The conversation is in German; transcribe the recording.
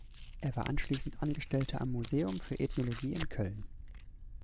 Er war anschließend Angestellter am Museum für Ethnologie in Köln.